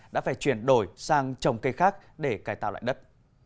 đã phải chuyển đổi sang trồng cây khác để cài tạo lại đất